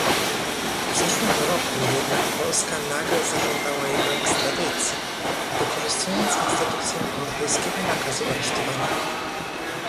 W zeszłym roku jednak Polska nagle zażądała jego ekstradycji, wykorzystując instytucję europejskiego nakazu aresztowania